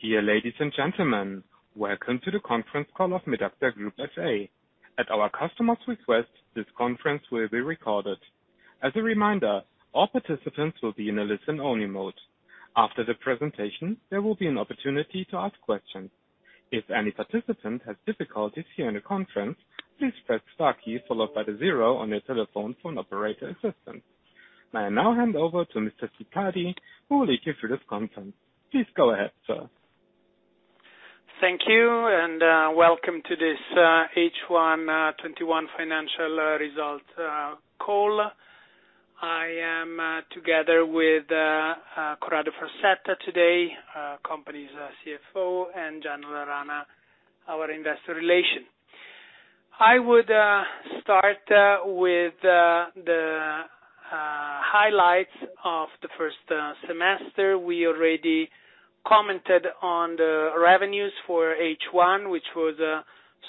Dear ladies and gentlemen, welcome to the conference call of Medacta Group SA. At our customer's request, this conference will be recorded. As a reminder, all participants will be in a listen-only mode. After the presentation, there will be an opportunity to ask questions. If any participant has difficulties hearing the conference, please press star key followed by the zero on your telephone for an operator assistant. May I now hand over to Mr. Siccardi, who will lead you through this conference. Please go ahead, sir. Thank you. Welcome to this H1 2021 financial result call. I am together with Corrado Farsetta today, company's CFO, and Gianluca Romana, our investor relation. I would start with the highlights of the first semester. We already commented on the revenues for H1, which was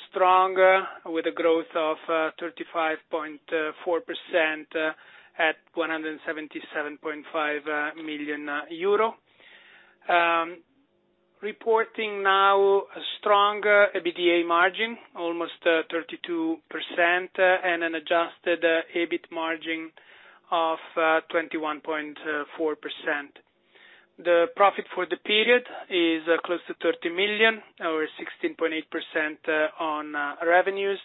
strong, with a growth of 35.4% at EUR 177.5 million. Reporting now a stronger EBITDA margin, almost 32%, and an adjusted EBIT margin of 21.4%. The profit for the period is close to 30 million, or 16.8% on revenues,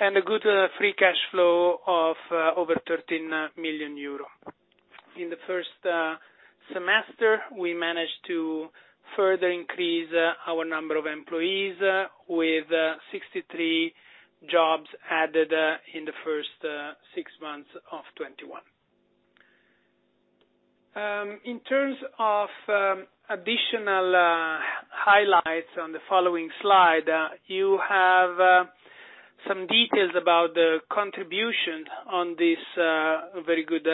and a good free cash flow of over 13 million euro. In the first semester, we managed to further increase our number of employees, with 63 jobs added in the first six months of 2021. In terms of additional highlights on the following slide, you have some details about the contribution on this very good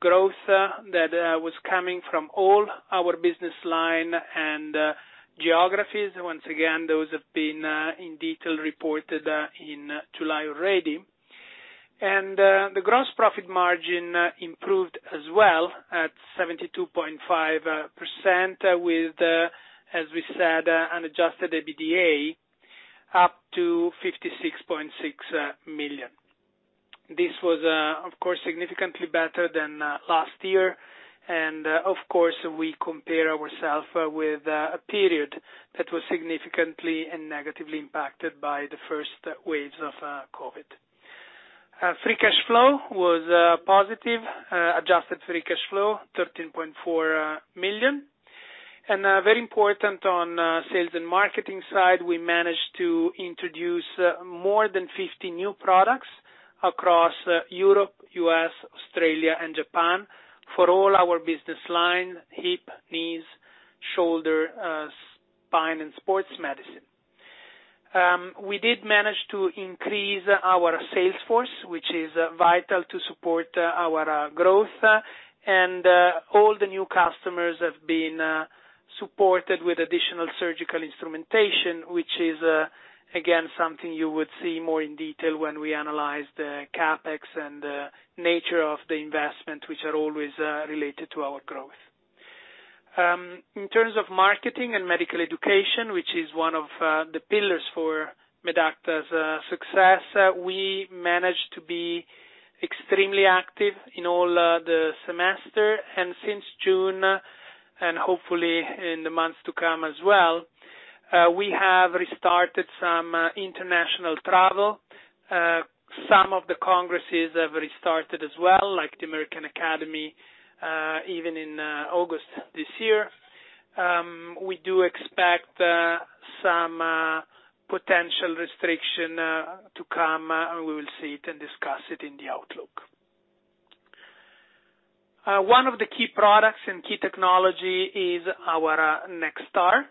growth that was coming from all our business line and geographies. Once again, those have been in detail reported in July already. The gross profit margin improved as well at 72.5% with, as we said, an adjusted EBITDA up to 56.6 million. This was, of course, significantly better than last year. Of course, we compare ourselves with a period that was significantly and negatively impacted by the first waves of COVID. Free cash flow was positive. Adjusted free cash flow, 13.4 million. Very important on sales and marketing side, we managed to introduce more than 50 new products across Europe, U.S., Australia, and Japan for all our business lines: hip, knees, shoulder, spine, and sports medicine. We did manage to increase our sales force, which is vital to support our growth. All the new customers have been supported with additional surgical instrumentation, which is, again, something you would see more in detail when we analyze the CapEx and the nature of the investment, which are always related to our growth. In terms of marketing and medical education, which is one of the pillars for Medacta's success, we managed to be extremely active in all the semester. Since June, and hopefully in the months to come as well, we have restarted some international travel. Some of the congresses have restarted as well, like the American Academy, even in August this year. We do expect some potential restriction to come, and we will see it and discuss it in the outlook. One of the key products and key technology is our NextAR,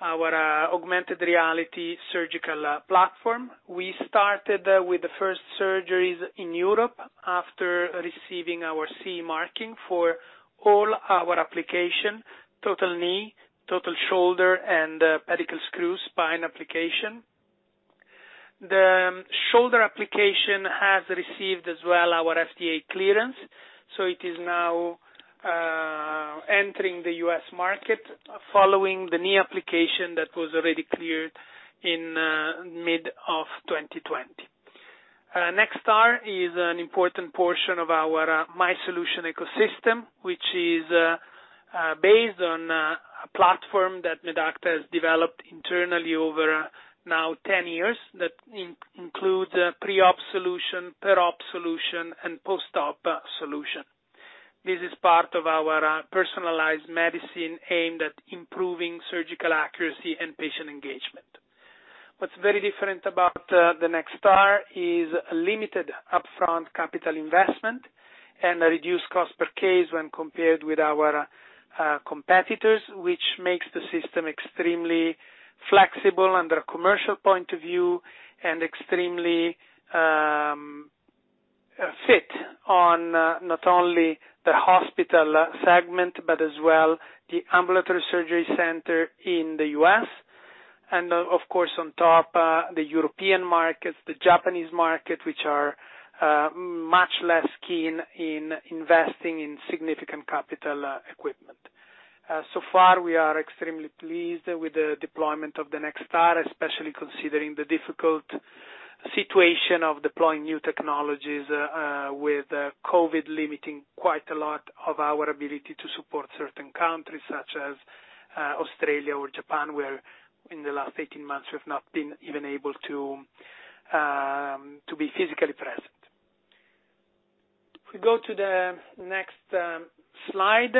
our augmented reality surgical platform. We started with the first surgeries in Europe after receiving our CE marking for all our applications, total knee, total shoulder, and pedicle screw spine application. The shoulder application has received our FDA clearance as well. It is now entering the U.S. market, following the knee application that was already cleared in mid of 2020. NextAR is an important portion of our MySolutions ecosystem, which is based on a platform that Medacta has developed internally over now 10 years. That includes pre-op solutions, per-op solutions, and post-op solutions. This is part of our personalized medicine aimed at improving surgical accuracy and patient engagement. What's very different about the NextAR is limited upfront capital investment and a reduced cost per case when compared with our competitors, which makes the system extremely flexible under a commercial point of view and extremely fit on not only the hospital segment, but as well the ambulatory surgery center in the U.S. Of course, on top, the European markets, the Japanese market, which are much less keen in investing in significant capital equipment. So far, we are extremely pleased with the deployment of the NextAR, especially considering the difficult situation of deploying new technologies, with COVID limiting quite a lot of our ability to support certain countries such as Australia or Japan, where in the last 18 months, we've not been even able to be physically present. If we go to the next slide,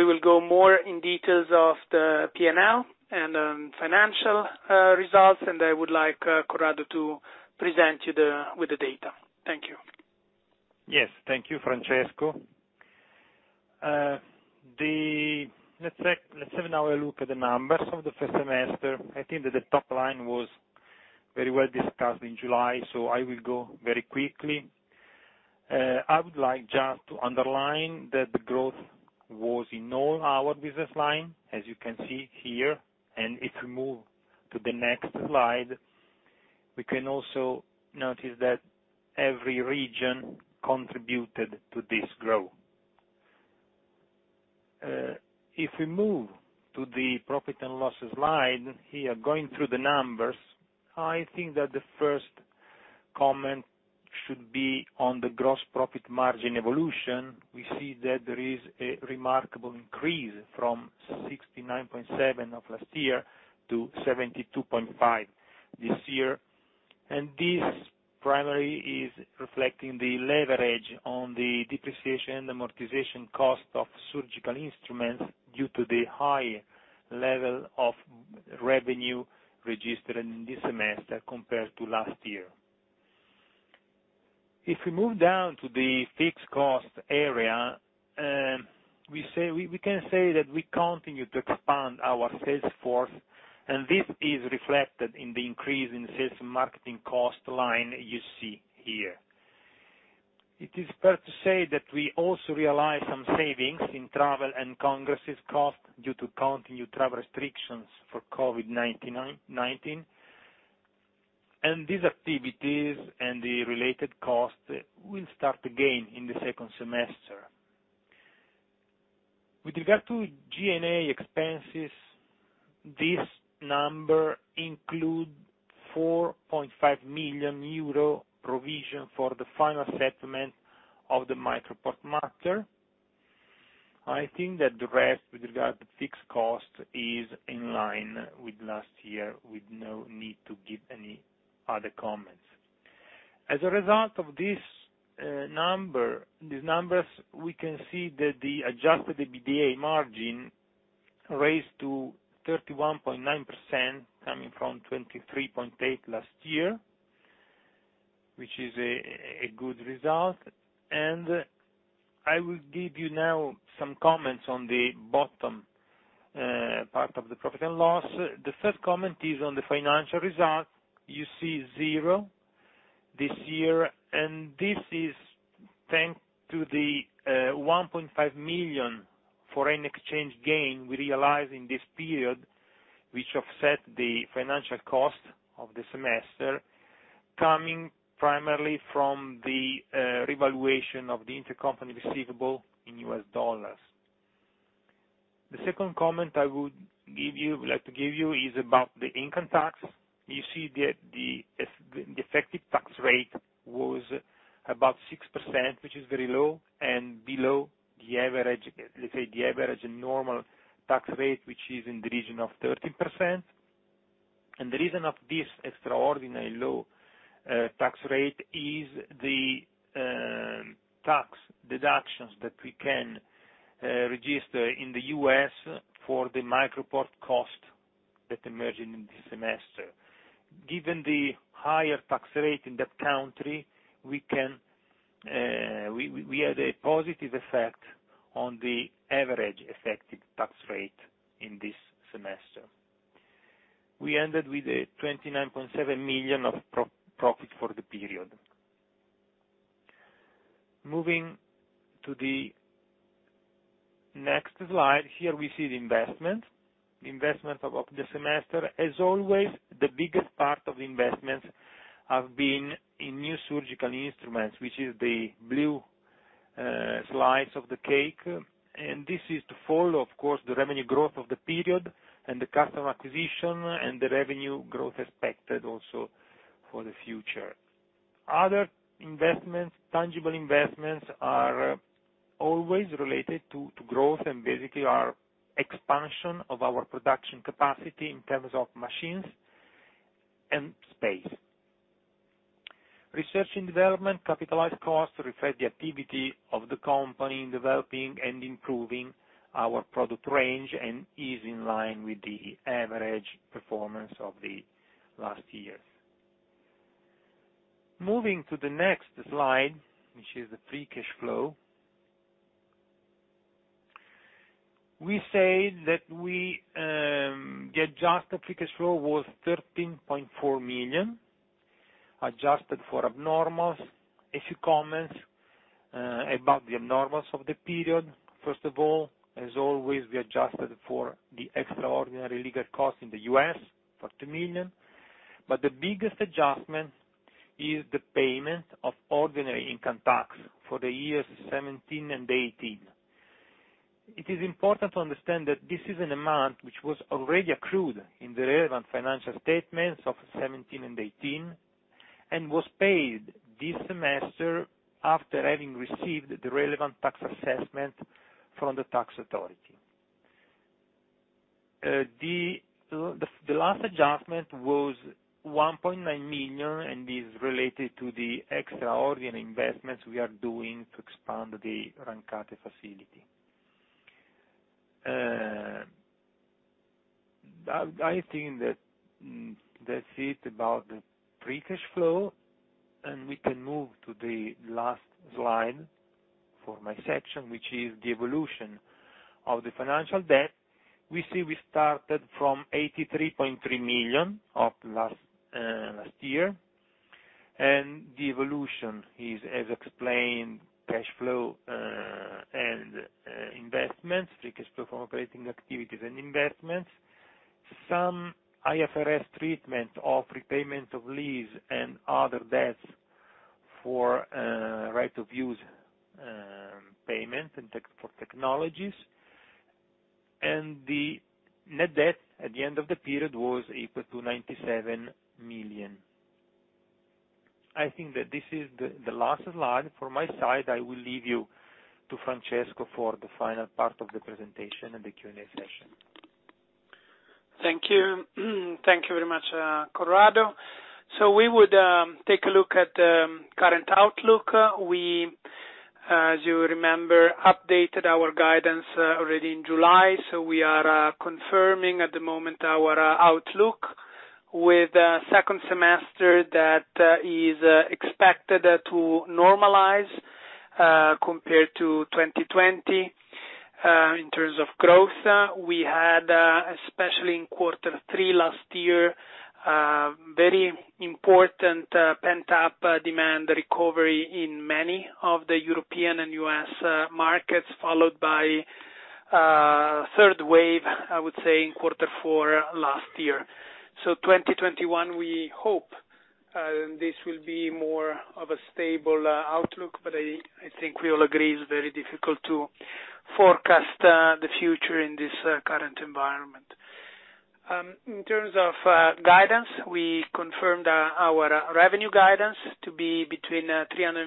we will go more in details of the P&L and financial results, and I would like Corrado to present you with the data. Thank you. Yes. Thank you, Francesco. Let's have now a look at the numbers of the first semester. I think that the top line was very well discussed in July. I will go very quickly. I would like just to underline that the growth was in all our business line, as you can see here. If we move to the next slide, we can also notice that every region contributed to this growth. If we move to the profit and loss slide here, going through the numbers, I think that the first comment should be on the gross profit margin evolution. We see that there is a remarkable increase from 69.7% of last year to 72.5% this year. This primarily is reflecting the leverage on the depreciation and amortization cost of surgical instruments due to the high level of revenue registered in this semester compared to last year. If we move down to the fixed cost area, we can say that we continue to expand our sales force, this is reflected in the increase in sales and marketing cost line you see here. It is fair to say that we also realize some savings in travel and congresses cost due to continued travel restrictions for COVID-19. These activities and the related costs will start again in the second semester. With regard to G&A expenses, this number include 4.5 million euro provision for the final settlement of the MicroPort matter. I think that the rest, with regard to fixed cost, is in line with last year, with no need to give any other comments. As a result of these numbers, we can see that the adjusted EBITDA margin raised to 31.9% coming from 23.8% last year, which is a good result. I will give you now some comments on the bottom part of the profit and loss. The first comment is on the financial result. You see zero this year, and this is thanks to the 1.5 million foreign exchange gain we realized in this period, which offset the financial cost of the semester, coming primarily from the revaluation of the intercompany receivable in U.S. dollars. The second comment I would like to give you is about the income tax. You see that the effective tax rate was about 6%, which is very low, and below, let's say, the average normal tax rate, which is in the region of 13%. The reason of this extraordinary low tax rate is the tax deductions that we can register in the U.S. for the MicroPort cost that emerged in this semester. Given the higher tax rate in that country, we had a positive effect on the average effective tax rate in this semester. We ended with a 29.7 million of profit for the period. Moving to the next slide. Here we see the investment. Investment of the semester. As always, the biggest part of the investments have been in new surgical instruments, which is the blue slice of the cake. This is to follow, of course, the revenue growth of the period and the customer acquisition and the revenue growth expected also for the future. Other tangible investments are always related to growth and basically are expansion of our production capacity in terms of machines and space. Research and development capitalized cost reflect the activity of the company in developing and improving our product range and is in line with the average performance of the last years. Moving to the next slide, which is the free cash flow. We say that the adjusted free cash flow was 13.4 million. Adjusted for abnormal. A few comments about the abnormals of the period. First of all, as always, we adjusted for the extraordinary legal costs in the U.S. for 2 million. The biggest adjustment is the payment of ordinary income tax for the years 2017 and 2018. It is important to understand that this is an amount which was already accrued in the relevant financial statements of 2017 and 2018, and was paid this semester after having received the relevant tax assessment from the tax authority. The last adjustment was 1.9 million and is related to the extraordinary investments we are doing to expand the Rancate facility. I think that that's it about the free cash flow. We can move to the last slide for my section, which is the evolution of the financial debt. We see we started from 83.3 million of last year. The evolution is, as explained, cash flow and investments, free cash flow from operating activities and investments. Some IFRS treatment of repayment of lease and other debts for right to use payments and for technologies. The net debt at the end of the period was equal to 97 million. I think that this is the last slide. From my side, I will leave you to Francesco for the final part of the presentation and the Q&A session. Thank you. Thank you very much, Corrado. We would take a look at the current outlook. We, as you remember, updated our guidance already in July. We are confirming at the moment our outlook with second semester that is expected to normalize compared to 2020 in terms of growth. We had, especially in quarter three last year, very important pent-up demand recovery in many of the European and U.S. markets, followed by a third wave, I would say, in quarter four last year. 2021, we hope this will be more of a stable outlook, but I think we all agree it's very difficult to forecast the future in this current environment. In terms of guidance, we confirmed our revenue guidance to be between 355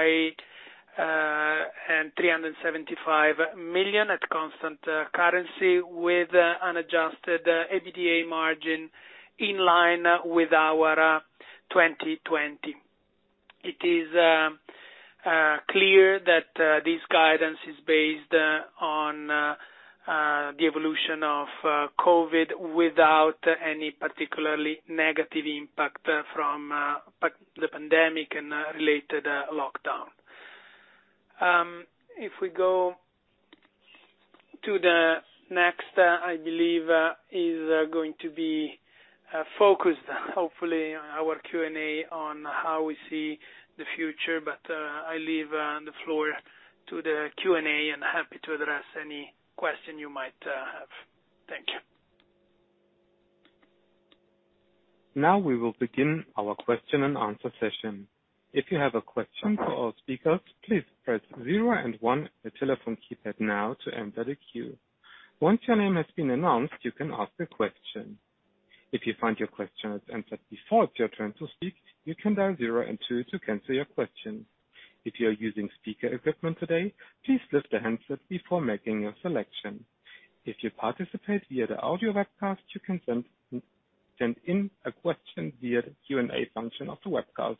million and 375 million at constant currency with an adjusted EBITDA margin in line with our 2020. It is clear that this guidance is based on the evolution of COVID-19 without any particularly negative impact from the pandemic and related lockdown. If we go to the next, I believe is going to be focused, hopefully, our Q&A on how we see the future. I leave the floor to the Q&A, and happy to address any question you might have. Thank you. Now we will begin our question and answer session. If you have a question on speaker, please press zero and one on the telephone keypad now to enter the queue. Once your name has been announced you can ask the question. If you find your question answered before your turn to speak you can press zero and two to cancel the question. If you are using speaker effect, please lift your hand for people making a selection. If you participate in the audio webcast you send in your question via the QR function on the web call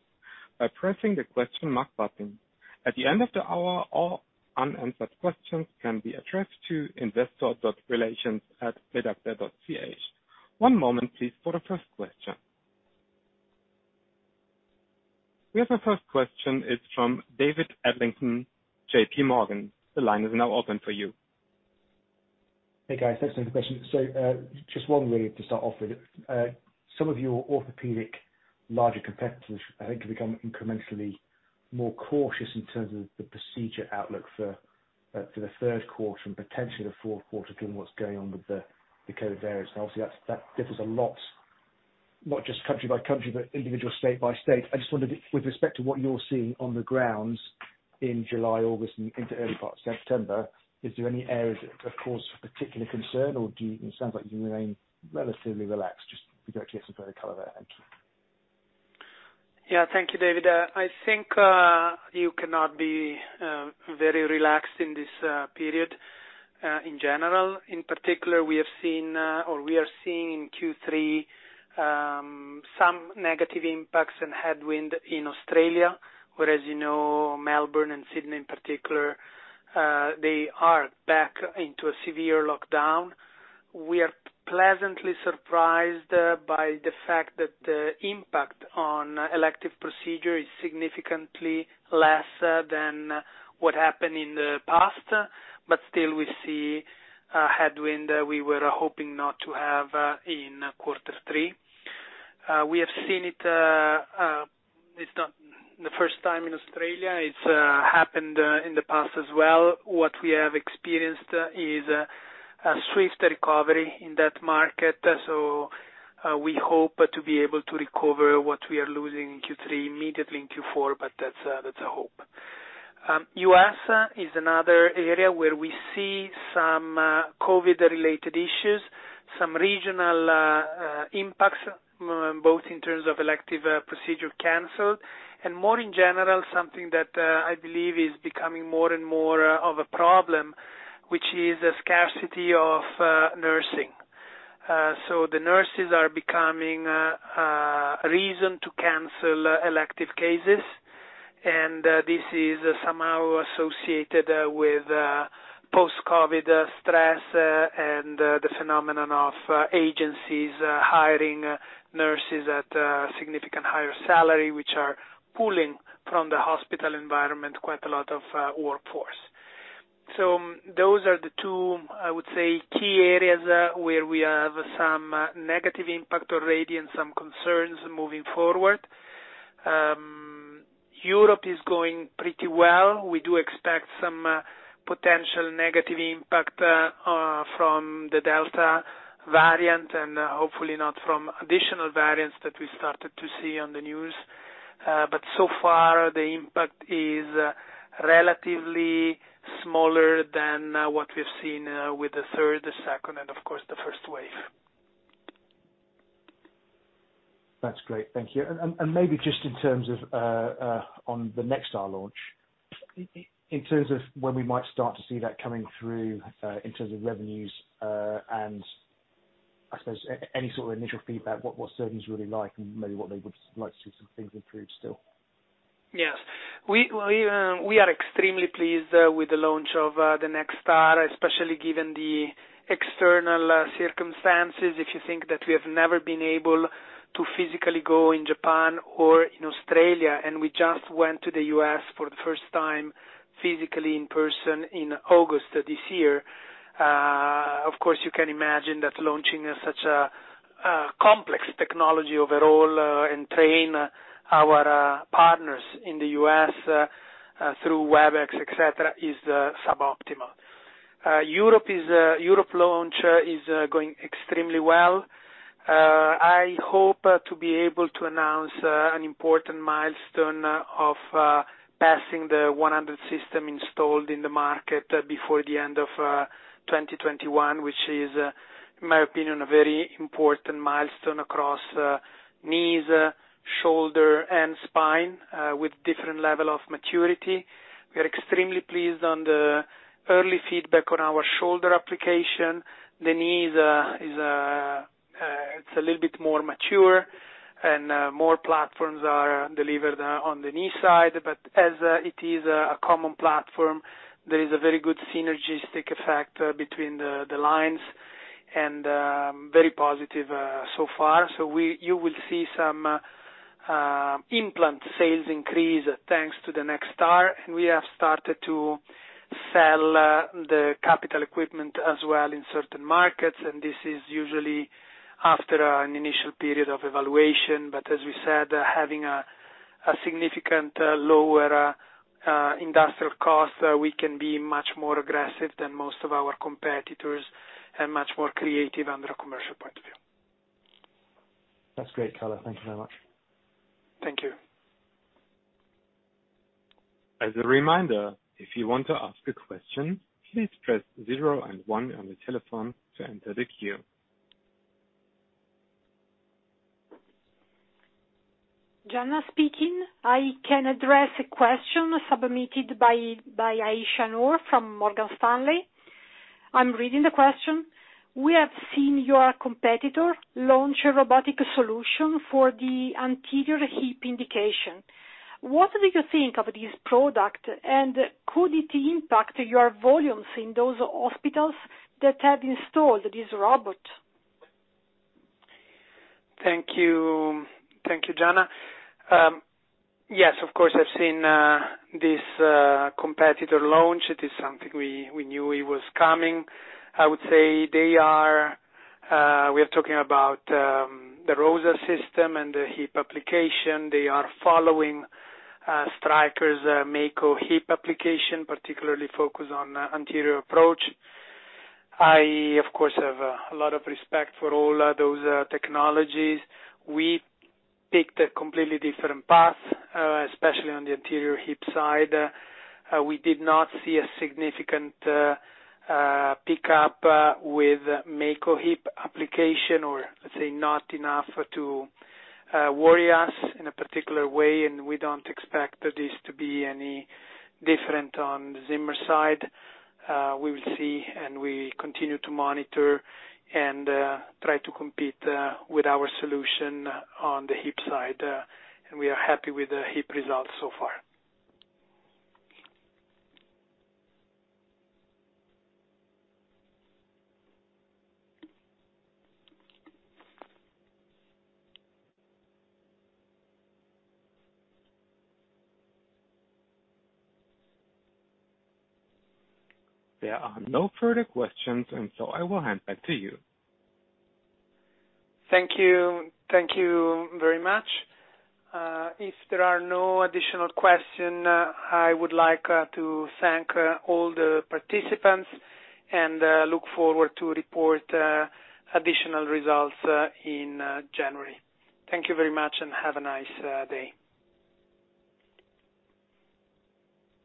by pressing the question mark button. At the end all unanswered questions willl be addressed to. [inaudible] Just One moment for our or first question. We have our first question. It's from David Adlington, JPMorgan. The line is now open for you. Hey, guys. Thanks for the question. Just one really to start off with. Some of your orthopaedic larger competitors, I think, have become incrementally more cautious in terms of the procedure outlook for the third quarter and potentially the fourth quarter, given what's going on with the COVID-19 variants. Obviously, that differs a lot, not just country by country, but individual state by state. I just wondered, with respect to what you're seeing on the grounds in July, August, and into early part of September, is there any areas that cause particular concern, or it sounds like you remain relatively relaxed. Just would like to get some further color there. Thank you. Thank you, David. I think you cannot be very relaxed in this period, in general. In particular, we have seen or we are seeing in Q3, some negative impacts and headwind in Australia. Whereas Melbourne and Sydney in particular, they are back into a severe lockdown. We are pleasantly surprised by the fact that the impact on elective procedure is significantly less than what happened in the past. Still we see a headwind we were hoping not to have in Q3. We have seen it. It's not the first time in Australia. It's happened in the past as well. What we have experienced is a swift recovery in that market. We hope to be able to recover what we are losing in Q3 immediately in Q4, but that's a hope. U.S. is another area where we see some COVID-related issues, some regional impacts, both in terms of elective procedure canceled and more in general, something that I believe is becoming more and more of a problem, which is a scarcity of nursing. The nurses are becoming a reason to cancel elective cases, and this is somehow associated with post-COVID stress and the phenomenon of agencies hiring nurses at a significantly higher salary, which are pulling from the hospital environment quite a lot of workforce. Those are the two, I would say, key areas where we have some negative impact already and some concerns moving forward. Europe is going pretty well. We do expect some potential negative impact from the Delta variant and hopefully not from additional variants that we started to see on the news. So far, the impact is relatively smaller than what we've seen with the third, the second, and of course, the first wave. That's great. Thank you. Maybe just in terms of on the NextAR launch, in terms of when we might start to see that coming through, in terms of revenues, and I suppose any sort of initial feedback, what surgeons really like and maybe what they would like to see some things improved still. Yes. We are extremely pleased with the launch of the NextAR, especially given the external circumstances. If you think that we have never been able to physically go in Japan or in Australia, and we just went to the U.S. for the first time physically in person in August of this year. Of course, you can imagine that launching such a complex technology overall, and train our partners in the U.S. through WebEx, et cetera, is suboptimal. Europe launch is going extremely well. I hope to be able to announce an important milestone of passing the 100 system installed in the market before the end of 2021, which is, in my opinion, a very important milestone across knees, shoulder, and spine, with different level of maturity. We are extremely pleased on the early feedback on our shoulder application. The knees, it's a little bit more mature and more platforms are delivered on the knee side. As it is a common platform, there is a very good synergistic effect between the lines and very positive so far. You will see some implant sales increase thanks to the NextAR. We have started to sell the capital equipment as well in certain markets, and this is usually after an initial period of evaluation. As we said, having a significant lower industrial cost, we can be much more aggressive than most of our competitors and much more creative under a commercial point of view. That's great. Thank you very much. Thank you. As a reminder, if you want to ask a question, please press zero and one on the telephone to enter the queue. Gianna speaking. I can address a question submitted by Ayesha Noor from Morgan Stanley. I'm reading the question. We have seen your competitor launch a robotic solution for the anterior hip indication. What do you think of this product, and could it impact your volumes in those hospitals that have installed this robot? Thank you, Gianna. Yes, of course, I've seen this competitor launch. It is something we knew it was coming. I would say we're talking about the ROSA system and the hip application. They are following Stryker's Mako Hip application, particularly focused on anterior approach. I, of course, have a lot of respect for all those technologies. We picked a completely different path, especially on the anterior hip side. We did not see a significant pickup with Mako Hip application or let's say, not enough to worry us in a particular way, and we don't expect this to be any different on the Zimmer side. We will see, and we continue to monitor and try to compete with our solution on the hip side. We are happy with the hip results so far. There are no further questions. I will hand back to you. Thank you very much. If there are no additional questions, I would like to thank all the participants and look forward to report additional results in January. Thank you very much and have a nice day.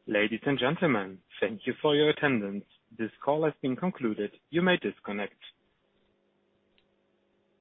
Ladies and gentlemen, thank you for your attendance. This call has been concluded. You may disconnect.